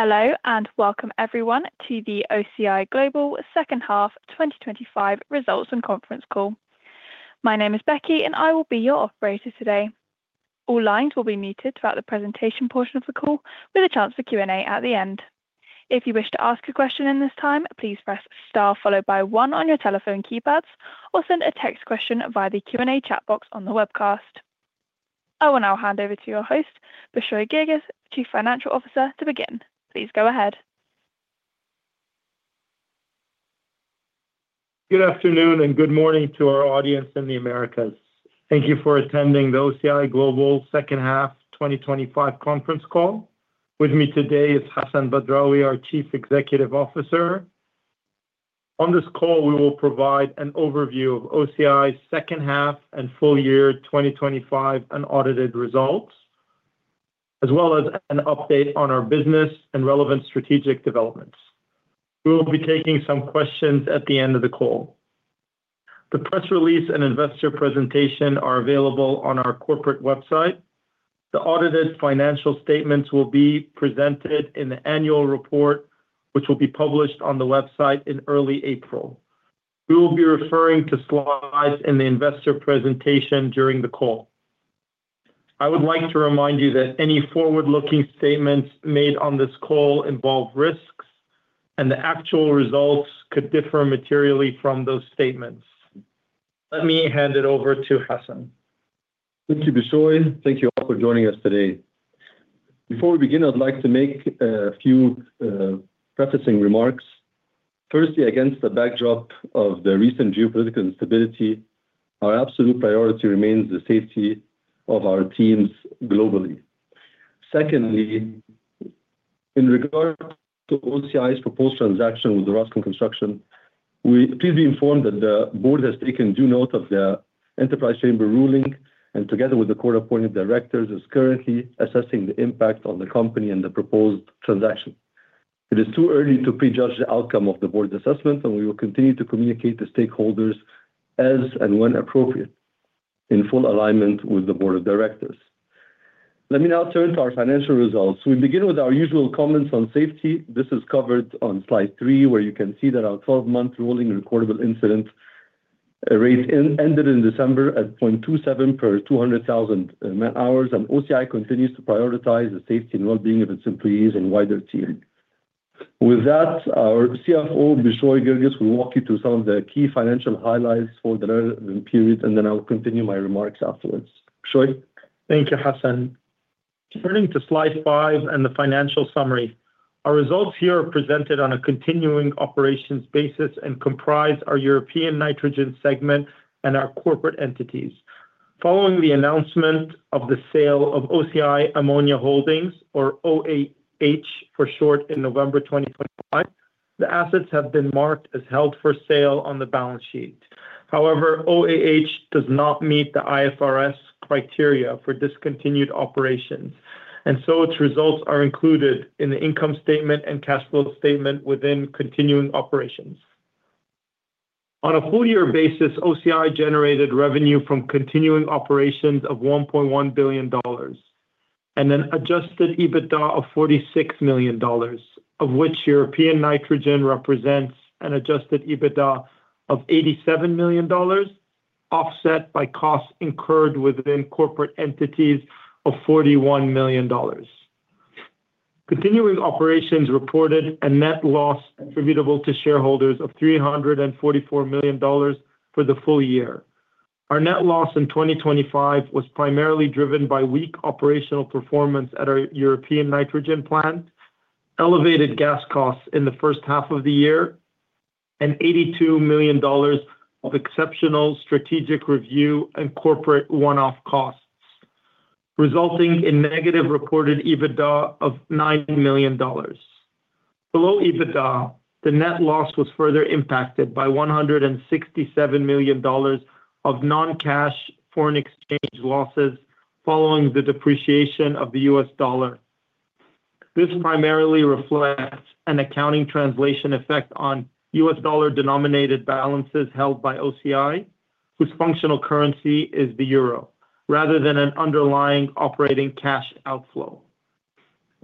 Hello and welcome everyone to the OCI Global second half 2025 results and conference call. My name is Becky and I will be your operator today. All lines will be muted throughout the presentation portion of the call with a chance for Q&A at the end. If you wish to ask a question in this time, please press star followed by one on your telephone keypads or send a text question via the Q&A chat box on the webcast. I will now hand over to your host, Beshoy Guirguis, Chief Financial Officer, to begin. Please go ahead. Good afternoon and good morning to our audience in the Americas. Thank you for attending the OCI Global second half 2025 conference call. With me today is Hassan Badrawi, our Chief Executive Officer. On this call, we will provide an overview of OCI's second half and full year 2025 unaudited results, as well as an update on our business and relevant strategic developments. We will be taking some questions at the end of the call. The press release and investor presentation are available on our corporate website. The audited financial statements will be presented in the annual report, which will be published on the website in early April. We will be referring to slides in the investor presentation during the call. I would like to remind you that any forward-looking statements made on this call involve risks, and the actual results could differ materially from those statements. Let me hand it over to Hassan. Thank you, Beshoy. Thank you all for joining us today. Before we begin, I'd like to make a few prefacing remarks. Firstly, against the backdrop of the recent geopolitical instability, our absolute priority remains the safety of our teams globally. Secondly, in regard to OCI's proposed transaction with Orascom Construction, please be informed that the board has taken due note of the Enterprise Chamber ruling and together with the court-appointed directors, is currently assessing the impact on the company and the proposed transaction. It is too early to prejudge the outcome of the board's assessment, and we will continue to communicate to stakeholders as and when appropriate in full alignment with the board of directors. Let me now turn to our financial results. We begin with our usual comments on safety. This is covered on slide three, where you can see that our 12-month rolling recordable incident rate ended in December at 0.27 per 200,000 man-hours, and OCI continues to prioritize the safety and well-being of its employees and wider team. With that, our CFO, Beshoy Guirguis, will walk you through some of the key financial highlights for the relevant period, and then I will continue my remarks afterwards. Beshoy? Thank you, Hassan. Turning to slide five and the financial summary. Our results here are presented on a continuing operations basis and comprise our European Nitrogen segment and our corporate entities. Following the announcement of the sale of OCI Ammonia Holding or OAH for short in November 2025, the assets have been marked as held for sale on the balance sheet. However, OAH does not meet the IFRS criteria for discontinued operations, and so its results are included in the income statement and cash flow statement within continuing operations. On a full-year basis, OCI generated revenue from continuing operations of $1.1 billion and an Adjusted EBITDA of $46 million, of which European Nitrogen represents an Adjusted EBITDA of $87 million, offset by costs incurred within corporate entities of $41 million. Continuing operations reported a net loss attributable to shareholders of $344 million for the full year. Our net loss in 2025 was primarily driven by weak operational performance at our European Nitrogen plant, elevated gas costs in the first half of the year, and $82 million of exceptional strategic review and corporate one-off costs, resulting in negative reported EBITDA of $9 million. Below EBITDA, the net loss was further impacted by $167 million of non-cash foreign exchange losses following the depreciation of the U.S. dollar. This primarily reflects an accounting translation effect on U.S. Dollar-denominated balances held by OCI, whose functional currency is the euro, rather than an underlying operating cash outflow.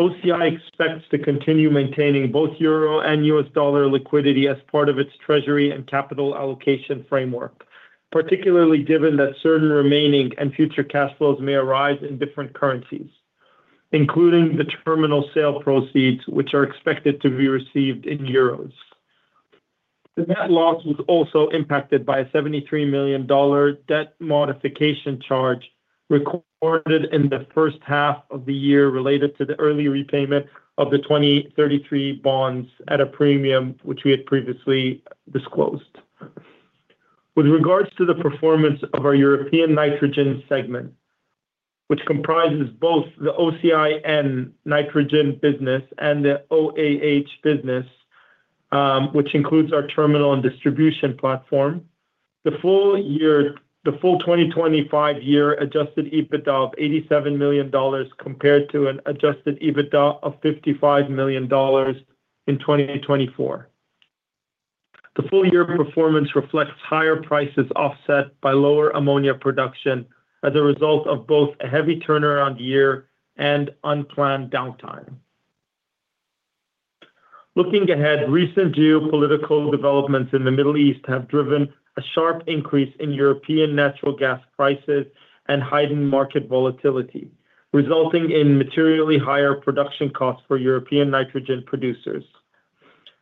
OCI expects to continue maintaining both euro and U.S. dollar liquidity as part of its treasury and capital allocation framework, particularly given that certain remaining and future cash flows may arise in different currencies, including the terminal sale proceeds, which are expected to be received in euros. The net loss was also impacted by a $73 million debt modification charge recorded in the first half of the year related to the early repayment of the 2033 bonds at a premium which we had previously disclosed. With regards to the performance of our European Nitrogen segment, which comprises both the OCI Nitrogen business and the OCI Ammonia Holding business, which includes our terminal and distribution platform. The full 2025 year Adjusted EBITDA of $87 million compared to an Adjusted EBITDA of $55 million in 2024. The full-year performance reflects higher prices offset by lower ammonia production as a result of both a heavy turnaround year and unplanned downtime. Looking ahead, recent geopolitical developments in the Middle East have driven a sharp increase in European natural gas prices and heightened market volatility, resulting in materially higher production costs for European Nitrogen producers.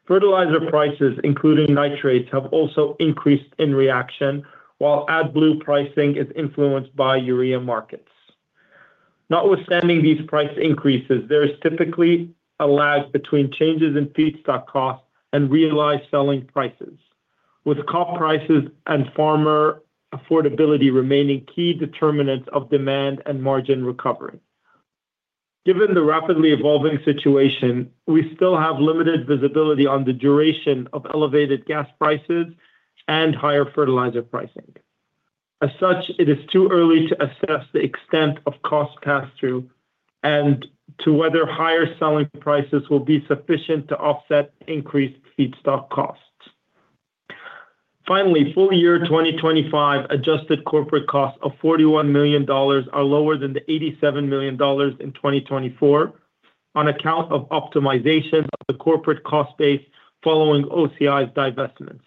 Fertilizer prices, including nitrates, have also increased in reaction, while AdBlue pricing is influenced by urea markets. Notwithstanding these price increases, there is typically a lag between changes in feedstock costs and realized selling prices, with crop prices and farmer affordability remaining key determinants of demand and margin recovery. Given the rapidly evolving situation, we still have limited visibility on the duration of elevated gas prices and higher fertilizer pricing. As such, it is too early to assess the extent of cost pass-through as to whether higher selling prices will be sufficient to offset increased feedstock costs. Finally, full-year 2025 adjusted corporate costs of $41 million are lower than the $87 million in 2024 on account of optimization of the corporate cost base following OCI's divestments.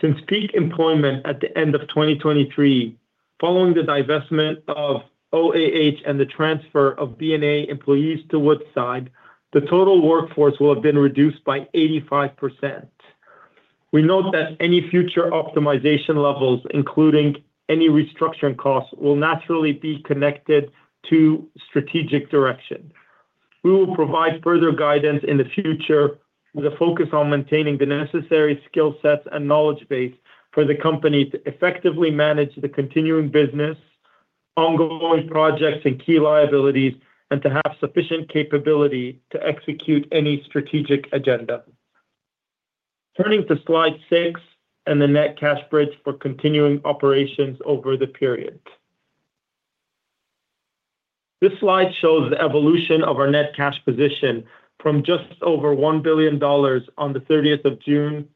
Since peak employment at the end of 2023, following the divestment of OAH and the transfer of BNA employees to Woodside, the total workforce will have been reduced by 85%. We note that any future optimization levels, including any restructuring costs, will naturally be connected to strategic direction. We will provide further guidance in the future with a focus on maintaining the necessary skill sets and knowledge base for the company to effectively manage the continuing business, ongoing projects and key liabilities, and to have sufficient capability to execute any strategic agenda. Turning to slide six and the net cash bridge for continuing operations over the period. This slide shows the evolution of our net cash position from just over $1 billion on the thirtieth of June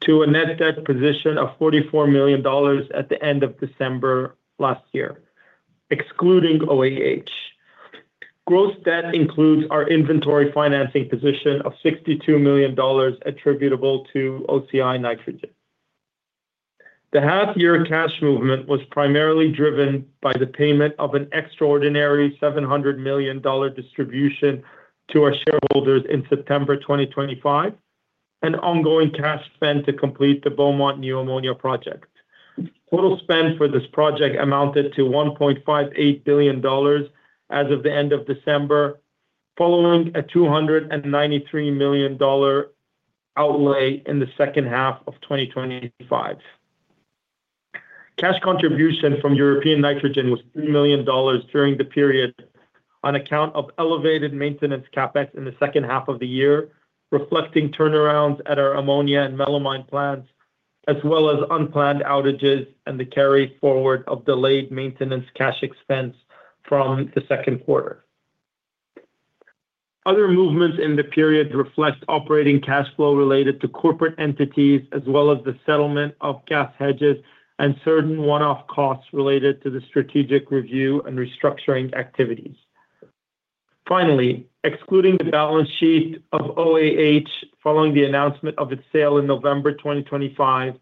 to a net debt position of $44 million at the end of December last year, excluding OAH. Gross debt includes our inventory financing position of $62 million attributable to OCI Nitrogen. The half-year cash movement was primarily driven by the payment of an extraordinary $700 million distribution to our shareholders in September 2025 and ongoing cash spend to complete the Beaumont New Ammonia project. Total spend for this project amounted to $1.58 billion as of the end of December, following a $293 million outlay in the second half of 2025. Cash contribution from European Nitrogen was $3 million during the period on account of elevated maintenance CapEx in the second half of the year, reflecting turnarounds at our ammonia and melamine plants, as well as unplanned outages and the carry forward of delayed maintenance cash expense from the second quarter. Other movements in the period reflect operating cash flow related to corporate entities, as well as the settlement of gas hedges and certain one-off costs related to the strategic review and restructuring activities. Finally, excluding the balance sheet of OAH following the announcement of its sale in November 2025,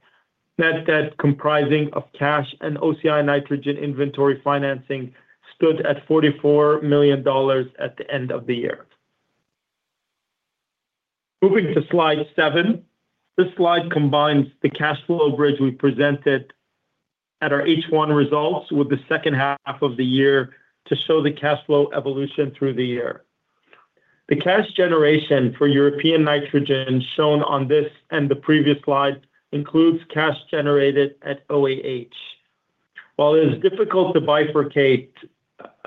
net debt comprising of cash and OCI Nitrogen inventory financing stood at $44 million at the end of the year. Moving to slide seven. This slide combines the cash flow bridge we presented at our H1 results with the second half of the year to show the cash flow evolution through the year. The cash generation for European Nitrogen shown on this and the previous slide includes cash generated at OAH. While it is difficult to bifurcate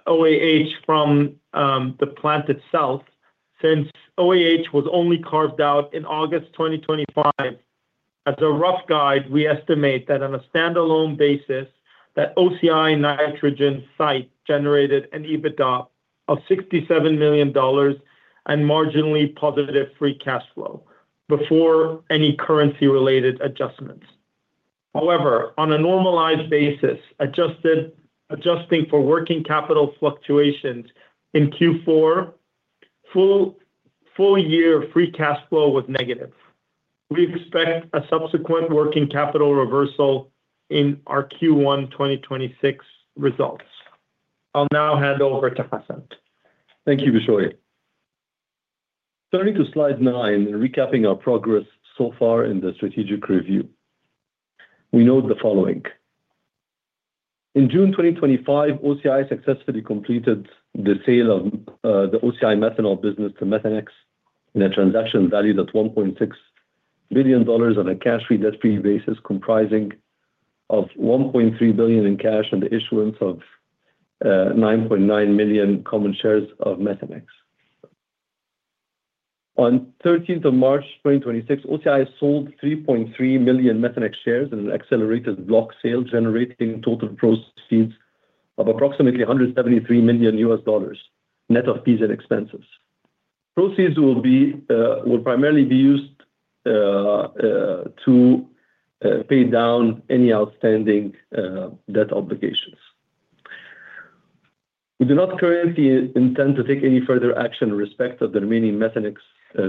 OAH from the plant itself, since OAH was only carved out in August 2025, as a rough guide, we estimate that on a standalone basis, that OCI Nitrogen site generated an EBITDA of $67 million and marginally positive free cash flow before any currency-related adjustments. However, on a normalized basis, adjusting for working capital fluctuations in Q4, full-year free cash flow was negative. We expect a subsequent working capital reversal in our Q1 2026 results. I'll now hand over to Hassan. Thank you, Beshoy. Turning to slide nine and recapping our progress so far in the strategic review. We note the following. In June 2025, OCI successfully completed the sale of the OCI Methanol business to Methanex in a transaction valued at $1.6 billion on a cash-free, debt-free basis, comprising of $1.3 billion in cash and the issuance of 9.9 million common shares of Methanex. On the March 13th, 2026, OCI sold 3.3 million Methanex shares in an accelerated block sale, generating total proceeds of approximately $173 million, net of fees and expenses. Proceeds will primarily be used to pay down any outstanding debt obligations. We do not currently intend to take any further action in respect of the remaining Methanex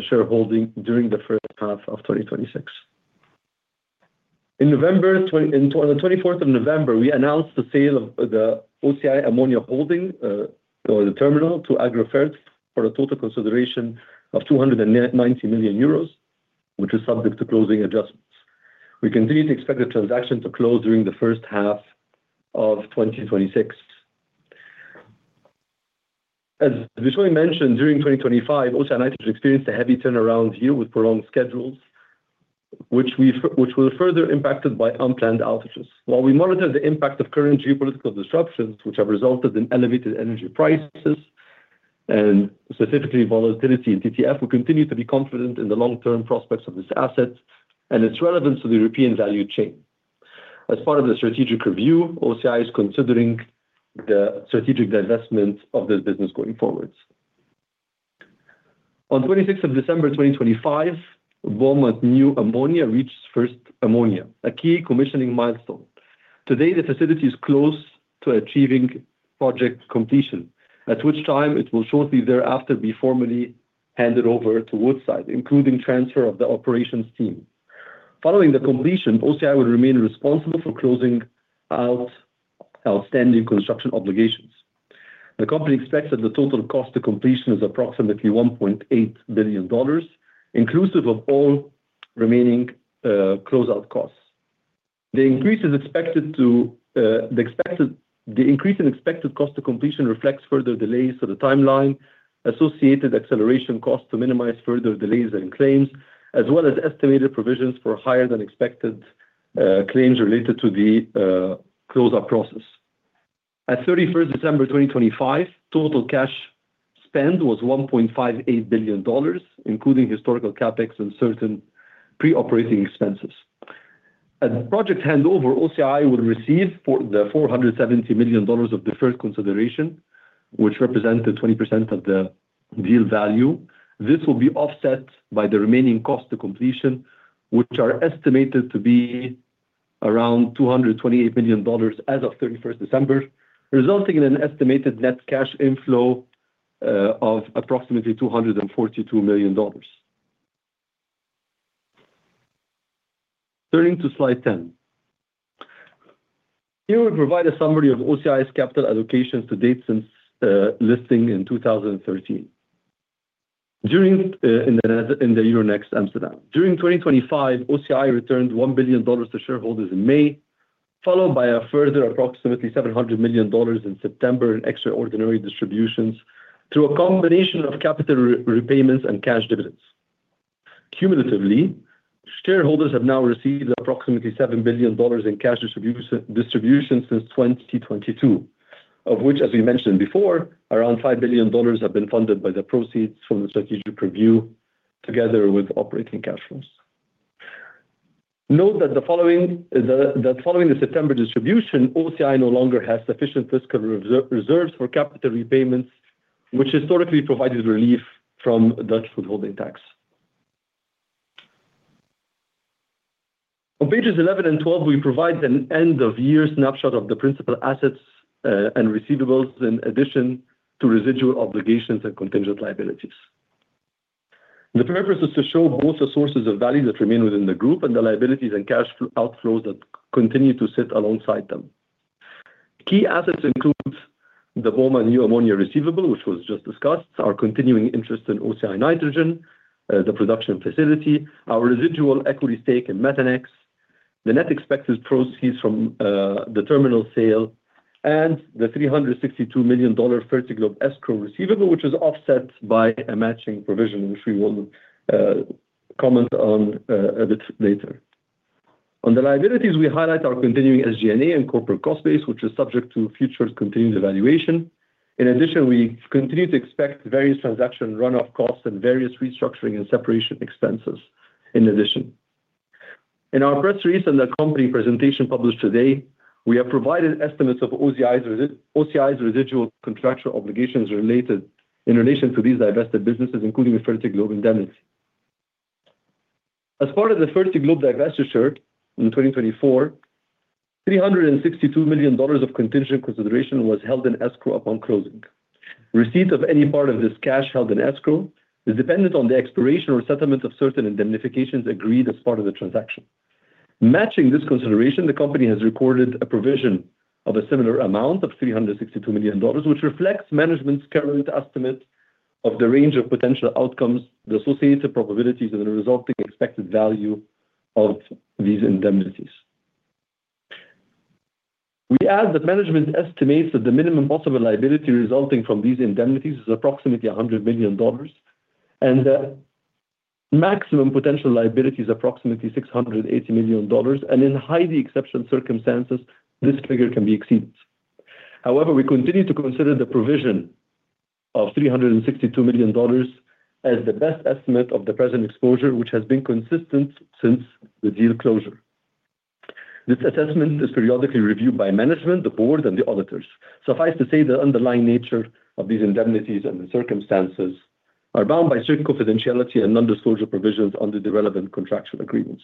shareholding during the first half of 2026. On the November 24th, we announced the sale of the OCI Ammonia Holding, or the terminal, to AGROFERT for a total consideration of 290 million euros, which is subject to closing adjustments. We continue to expect the transaction to close during the first half of 2026. As Beshoy mentioned, during 2025, OCI Nitrogen experienced a heavy turnaround year with prolonged schedules, which were further impacted by unplanned outages. While we monitor the impact of current geopolitical disruptions, which have resulted in elevated energy prices and specifically volatility in TTF, we continue to be confident in the long-term prospects of this asset and its relevance to the European value chain. As part of the strategic review, OCI is considering the strategic divestment of this business going forward. On the December 26th, 2025, Beaumont New Ammonia reached first ammonia, a key commissioning milestone. Today, the facility is close to achieving project completion, at which time it will shortly thereafter be formally handed over to Woodside, including transfer of the operations team. Following the completion, OCI will remain responsible for closing out outstanding construction obligations. The company expects that the total cost to completion is approximately $1.8 billion, inclusive of all remaining close out costs. The increase in expected cost to completion reflects further delays to the timeline, associated acceleration costs to minimize further delays and claims, as well as estimated provisions for higher than expected claims related to the close out process. At the December 31st 2025, total cash spend was $1.58 billion, including historical CapEx and certain pre-operating expenses. At project handover, OCI will receive the $470 million of deferred consideration, which represent the 20% of the deal value. This will be offset by the remaining cost to completion, which are estimated to be around $228 million as of December 31st, resulting in an estimated net cash inflow of approximately $242 million. Turning to slide 10. Here we provide a summary of OCI's capital allocations to date since listing in 2013 in the Euronext Amsterdam. During 2025, OCI returned $1 billion to shareholders in May, followed by a further approximately $700 million in September in extraordinary distributions through a combination of capital repayments and cash dividends. Cumulatively, shareholders have now received approximately $7 billion in cash distribution since 2022, of which, as we mentioned before, around $5 billion have been funded by the proceeds from the strategic review together with operating cash flows. Note that following the September distribution, OCI no longer has sufficient fiscal reserves for capital repayments, which historically provided relief from Dutch withholding tax. On pages 11 and 12, we provide an end of year snapshot of the principal assets and receivables in addition to residual obligations and contingent liabilities. The purpose is to show both the sources of value that remain within the Group and the liabilities and cash outflows that continue to sit alongside them. Key assets include the Beaumont New Ammonia receivable, which was just discussed, our continuing interest in OCI Nitrogen, the production facility, our residual equity stake in Methanex, the net expected proceeds from the terminal sale, and the $362 million Fertiglobe escrow receivable, which is offset by a matching provision, which we will comment on a bit later. On the liabilities, we highlight our continuing SG&A and corporate cost base, which is subject to future contingent evaluation. In addition, we continue to expect various transaction run-off costs and various restructuring and separation expenses in addition. In our press release and accompanying presentation published today, we have provided estimates of OCI's residual contractual obligations related in relation to these divested businesses, including the Fertiglobe indemnity. As part of the Fertiglobe divestiture in 2024, $362 million of contingent consideration was held in escrow upon closing. Receipt of any part of this cash held in escrow is dependent on the expiration or settlement of certain indemnifications agreed as part of the transaction. Matching this consideration, the company has recorded a provision of a similar amount of $362 million, which reflects management's current estimate of the range of potential outcomes, the associated probabilities and the resulting expected value of these indemnities. We add that management estimates that the minimum possible liability resulting from these indemnities is approximately $100 million, and that maximum potential liability is approximately $680 million. In highly exceptional circumstances, this figure can be exceeded. However, we continue to consider the provision of $362 million as the best estimate of the present exposure, which has been consistent since the deal closure. This assessment is periodically reviewed by management, the board, and the auditors. Suffice to say, the underlying nature of these indemnities and the circumstances are bound by certain confidentiality and non-disclosure provisions under the relevant contractual agreements.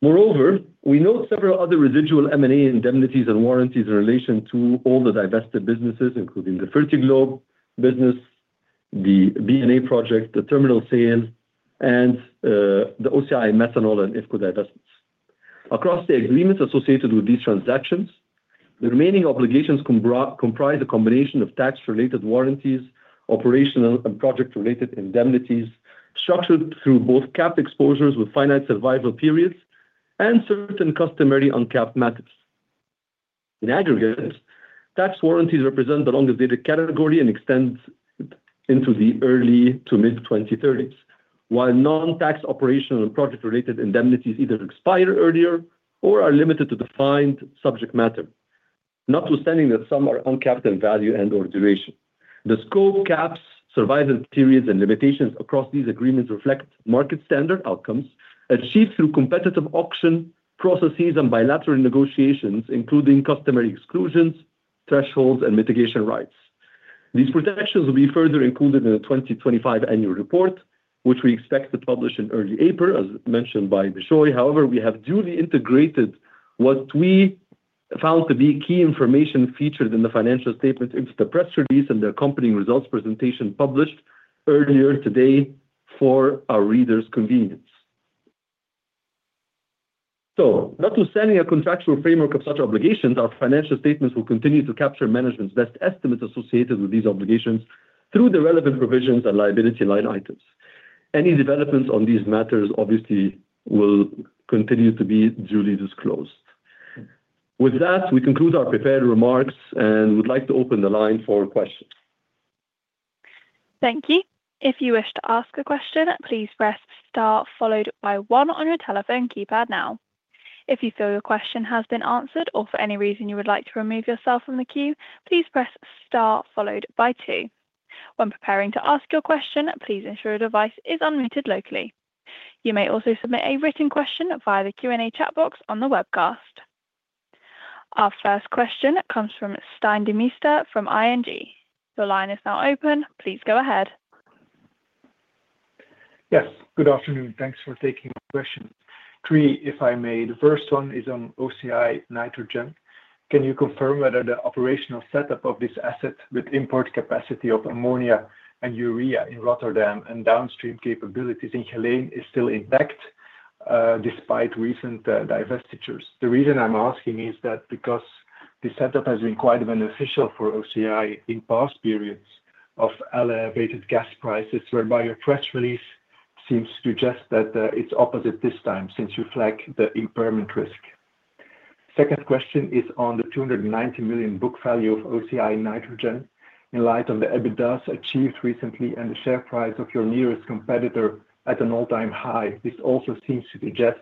Moreover, we note several other residual M&A indemnities and warranties in relation to all the divested businesses, including the Fertiglobe business, the BNA project, the terminal sale, and the OCI Methanol and IFCO divestments. Across the agreements associated with these transactions, the remaining obligations comprise a combination of tax-related warranties, operational and project-related indemnities structured through both capped exposures with finite survival periods and certain customary uncapped matters. In aggregate, tax warranties represent the longest date category and extends into the early-to-mid-2030s, while non-tax operational and project-related indemnities either expire earlier or are limited to defined subject matter. Notwithstanding that some are uncapped in value and/or duration. The scope caps, survival periods, and limitations across these agreements reflect market standard outcomes achieved through competitive auction processes and bilateral negotiations, including customary exclusions, thresholds, and mitigation rights. These protections will be further included in the 2025 annual report, which we expect to publish in early April, as mentioned by Beshoy. However, we have duly integrated what we found to be key information featured in the financial statements into the press release and the accompanying results presentation published earlier today for our readers' convenience. Notwithstanding a contractual framework of such obligations, our financial statements will continue to capture management's best estimates associated with these obligations through the relevant provisions and liability line items. Any developments on these matters obviously will continue to be duly disclosed. With that, we conclude our prepared remarks and would like to open the line for questions. Thank you. If you wish to ask a question, please press star followed by one on your telephone keypad now. If you feel your question has been answered or for any reason you would like to remove yourself from the queue, please press star followed by two. When preparing to ask your question, please ensure your device is unmuted locally. You may also submit a written question via the Q&A chat box on the webcast. Our first question comes from Stijn Demeester from ING. Your line is now open. Please go ahead. Yes. Good afternoon. Thanks for taking the question. Three, if I may. The first one is on OCI Nitrogen. Can you confirm whether the operational setup of this asset with import capacity of ammonia and urea in Rotterdam and downstream capabilities in Geleen is still intact, despite recent divestitures? The reason I'm asking is that because the setup has been quite beneficial for OCI in past periods of elevated gas prices, whereby your press release seems to suggest that, it's opposite this time since you flag the impairment risk. Second question is on the $290 million book value of OCI Nitrogen. In light of the EBITDAs achieved recently and the share price of your nearest competitor at an all-time high, this also seems to suggest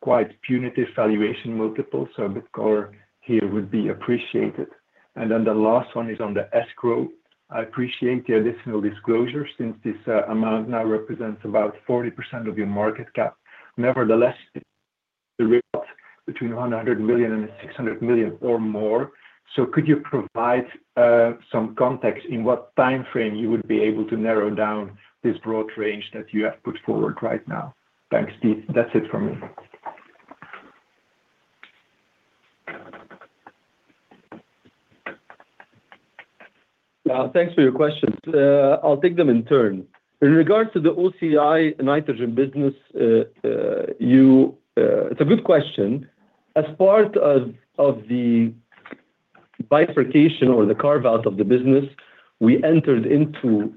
quite punitive valuation multiples, so a bit color here would be appreciated. The last one is on the escrow. I appreciate the additional disclosure since this amount now represents about 40% of your market cap. Nevertheless, the range between $100 million and $600 million or more. Could you provide some context in what time frame you would be able to narrow down this broad range that you have put forward right now? Thanks. That's it from me. Thanks for your questions. I'll take them in turn. In regards to the OCI Nitrogen business, it's a good question. As part of the bifurcation or the carve-out of the business, we entered into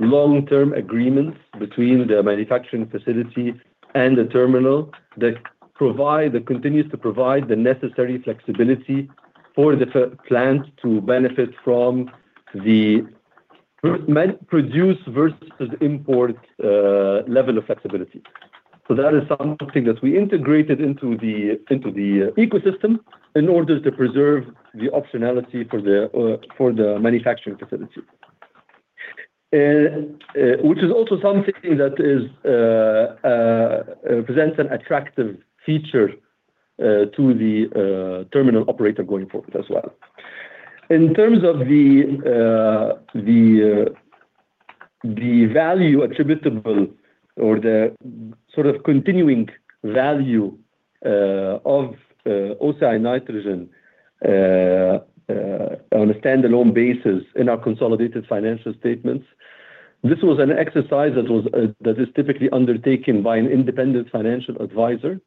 long-term agreements between the manufacturing facility and the terminal that provide and continues to provide the necessary flexibility for the plant to benefit from the produce versus import level of flexibility. That is something that we integrated into the ecosystem in order to preserve the optionality for the manufacturing facility. Which is also something that is presents an attractive feature to the terminal operator going forward as well. In terms of the value attributable or the sort of continuing value of OCI Nitrogen on a stand-alone basis in our consolidated financial statements, this is an exercise that is typically undertaken by an independent financial advisor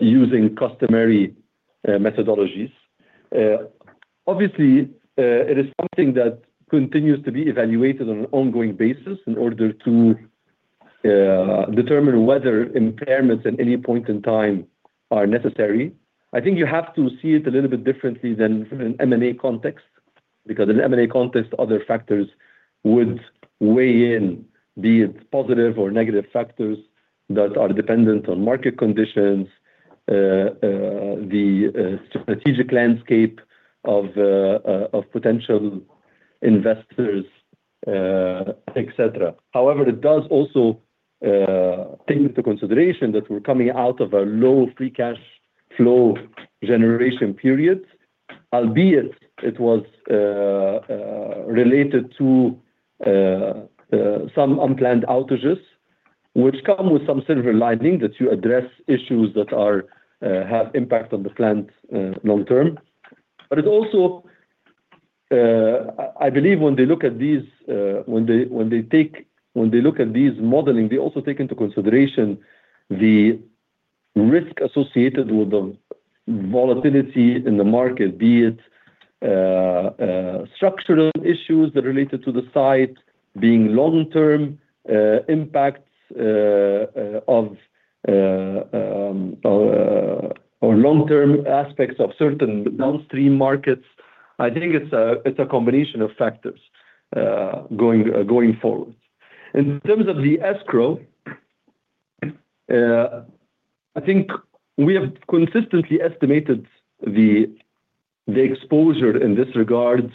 using customary methodologies. Obviously, it is something that continues to be evaluated on an ongoing basis in order to determine whether impairments at any point in time are necessary. I think you have to see it a little bit differently than from an M&A context, because in an M&A context, other factors would weigh in, be it positive or negative factors that are dependent on market conditions, the strategic landscape of potential investors, et cetera. However, it does also take into consideration that we're coming out of a low free cash flow generation period, albeit it was related to some unplanned outages, which come with some silver lining that you address issues that have impact on the plant long term. It also, I believe, when they look at these modeling, they also take into consideration the risk associated with the volatility in the market, be it structural issues that related to the site being long-term impacts of or long-term aspects of certain downstream markets. I think it's a combination of factors going forward. In terms of the escrow, I think we have consistently estimated the exposure in this regard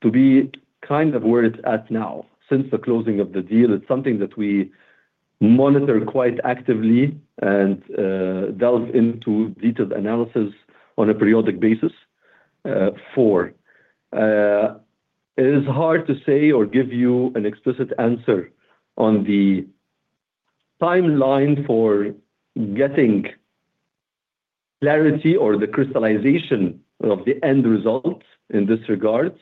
to be kind of where it's at now. Since the closing of the deal, it's something that we monitor quite actively and delve into detailed analysis on a periodic basis. It is hard to say or give you an explicit answer on the timeline for getting clarity or the crystallization of the end result in this regard.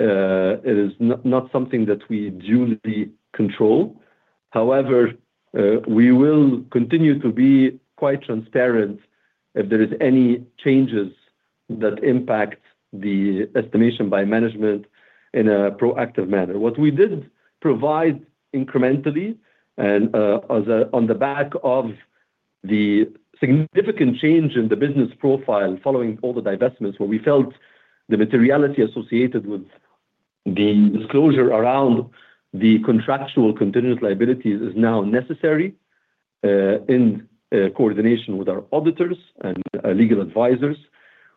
It is not something that we duly control. However, we will continue to be quite transparent if there is any changes that impact the estimation by management in a proactive manner. What we did provide incrementally and, on the back of the significant change in the business profile following all the divestments, where we felt the materiality associated with the disclosure around the contractual contingent liabilities is now necessary, in coordination with our auditors and our legal advisors.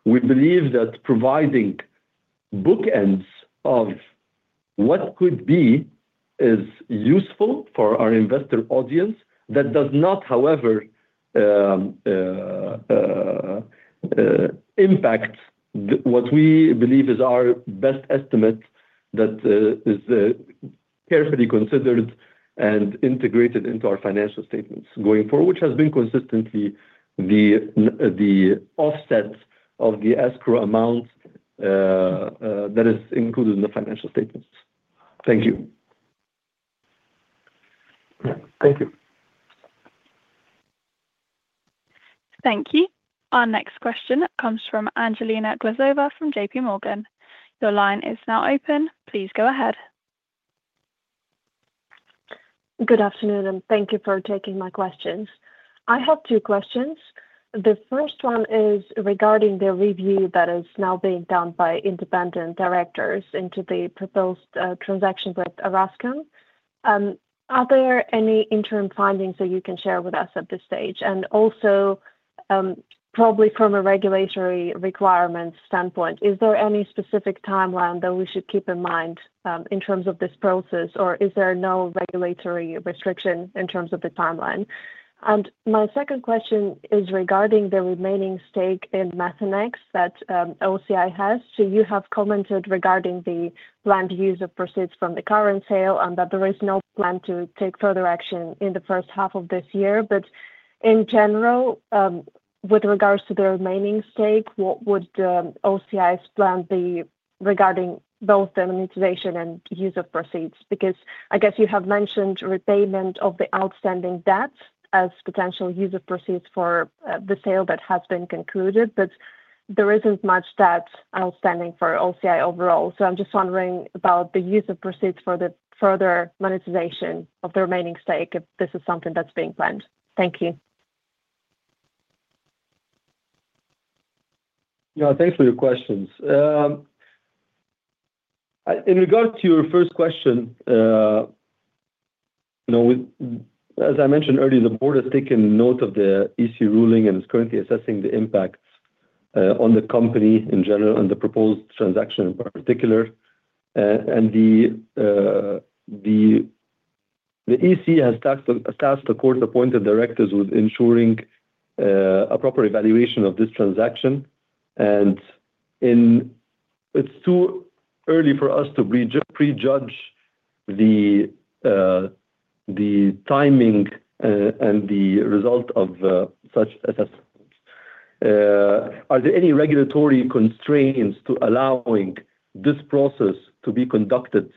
We believe that providing bookends of what could be is useful for our investor audience. That does not, however, impact what we believe is our best estimate that is carefully considered and integrated into our financial statements going forward, which has been consistently the offset of the escrow amount that is included in the financial statements. Thank you. Yeah. Thank you. Thank you. Our next question comes from Angelina Glazova from JPMorgan. Your line is now open. Please go ahead. Good afternoon, and thank you for taking my questions. I have two questions. The first one is regarding the review that is now being done by independent directors into the proposed transaction with Orascom. Are there any interim findings that you can share with us at this stage? And also, probably from a regulatory requirement standpoint, is there any specific timeline that we should keep in mind in terms of this process? Or is there no regulatory restriction in terms of the timeline? And my second question is regarding the remaining stake in Methanex that OCI has. So you have commented regarding the planned use of proceeds from the current sale and that there is no plan to take further action in the first half of this year. In general, with regards to the remaining stake, what would OCI's plan be regarding both the monetization and use of proceeds? Because I guess you have mentioned repayment of the outstanding debt as potential use of proceeds for the sale that has been concluded, there isn't much debt outstanding for OCI overall. I'm just wondering about the use of proceeds for the further monetization of the remaining stake, if this is something that's being planned. Thank you. Yeah, thanks for your questions. In regards to your first question, you know, as I mentioned earlier, the board has taken note of the EC ruling and is currently assessing the impact on the company in general and the proposed transaction in particular. The EC has tasked the court-appointed directors with ensuring a proper evaluation of this transaction. It's too early for us to prejudge the timing and the result of such assessments. Are there any regulatory constraints to allowing this process to be conducted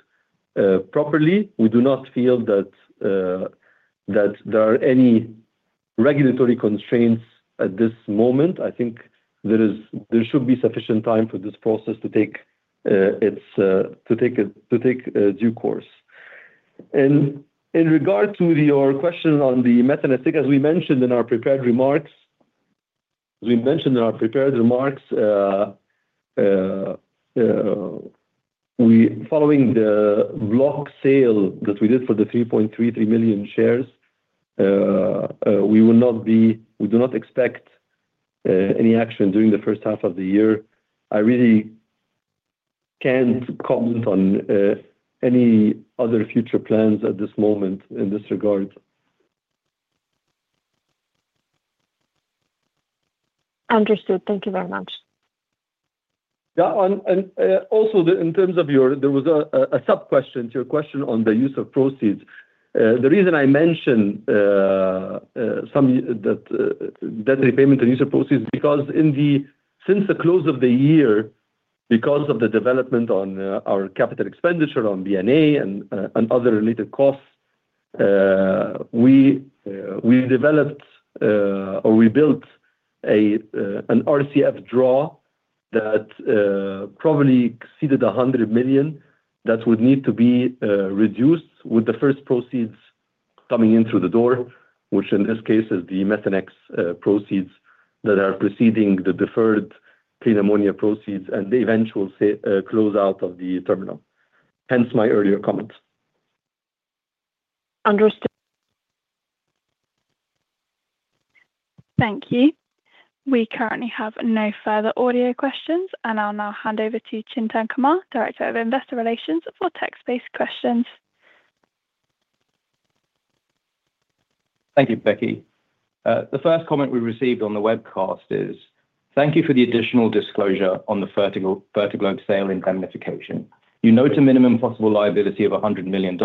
properly? We do not feel that there are any regulatory constraints at this moment. I think there should be sufficient time for this process to take its due course. In regard to your question on the Methanex, I think as we mentioned in our prepared remarks, following the block sale that we did for the 3.33 million shares, we do not expect any action during the first half of the year. I really can't comment on any other future plans at this moment in this regard. Understood. Thank you very much. Yeah. Also, in terms of your question, there was a sub question to your question on the use of proceeds. The reason I mentioned debt repayment and use of proceeds because since the close of the year, because of the development on our capital expenditure on BNA and other related costs, we built an RCF draw that probably exceeded $100 million that would need to be reduced with the first proceeds coming in through the door, which in this case is the Methanex proceeds that are preceding the deferred clean ammonia proceeds and the eventual close out of the terminal. Hence my earlier comments. Understood. Thank you. We currently have no further audio questions, and I'll now hand over to Chintan Kumar, Director of Investor Relations, for text-based questions. Thank you, Becky. The first comment we received on the webcast is: Thank you for the additional disclosure on the Fertiglobe sale indemnification. You note a minimum possible liability of $100 million.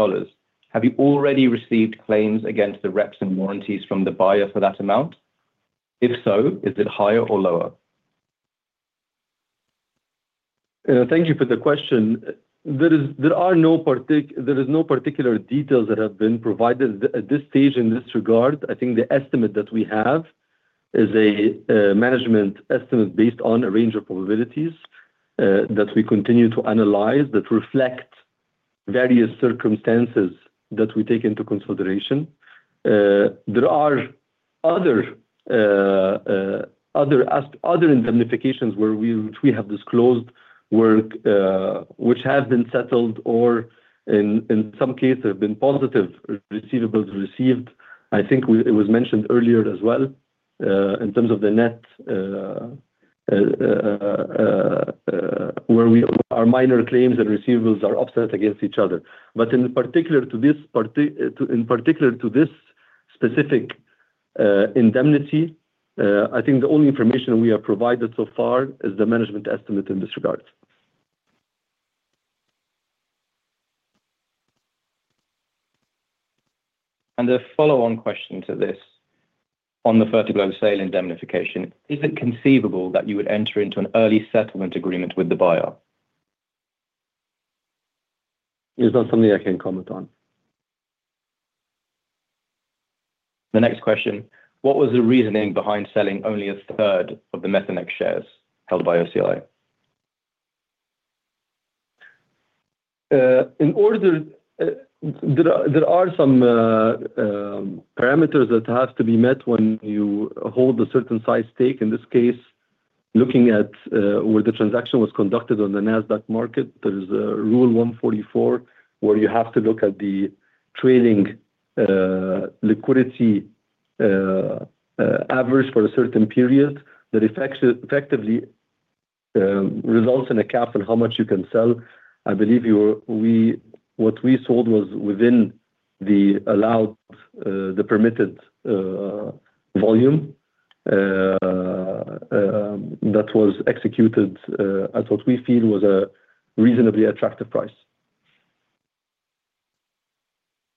Have you already received claims against the reps and warranties from the buyer for that amount? If so, is it higher or lower? Thank you for the question. There is no particular details that have been provided at this stage in this regard. I think the estimate that we have is a management estimate based on a range of probabilities that we continue to analyze that reflect various circumstances that we take into consideration. There are other indemnifications which we have disclosed where which have been settled or in some cases have been positive receivables received. I think it was mentioned earlier as well in terms of the net where our minor claims and receivables are offset against each other. In particular to this specific indemnity, I think the only information we have provided so far is the management estimate in this regard. A follow-on question to this. On the Fertiglobe sale indemnification, is it conceivable that you would enter into an early settlement agreement with the buyer? It's not something I can comment on. The next question: What was the reasoning behind selling only a third of the Methanex shares held by OCI? There are some parameters that have to be met when you hold a certain size stake. In this case, looking at where the transaction was conducted on the Nasdaq market, there is a Rule 144, where you have to look at the trading liquidity average for a certain period that effectively results in a cap on how much you can sell. I believe what we sold was within the allowed, the permitted volume that was executed at what we feel was a reasonably attractive price.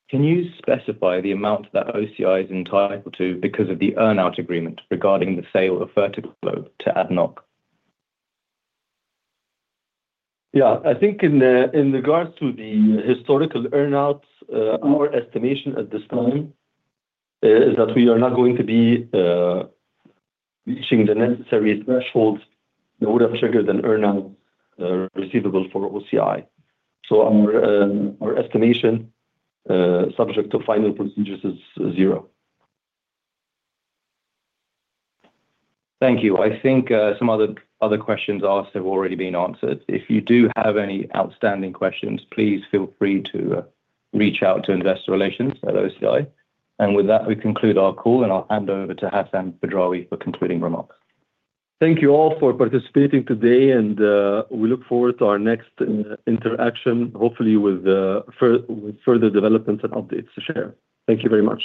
Can you specify the amount that OCI is entitled to because of the earn-out agreement regarding the sale of Fertiglobe to ADNOC? I think in regards to the historical earn-outs, our estimation at this time is that we are not going to be reaching the necessary thresholds that would have triggered an earn-out receivable for OCI. Our estimation subject to final procedures is zero. Thank you. I think, some other questions asked have already been answered. If you do have any outstanding questions, please feel free to reach out to Investor Relations at OCI. With that, we conclude our call, and I'll hand over to Hassan Badrawi for concluding remarks. Thank you all for participating today, and we look forward to our next interaction, hopefully with further developments and updates to share. Thank you very much.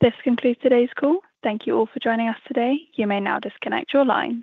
This concludes today's call. Thank you all for joining us today. You may now disconnect your line.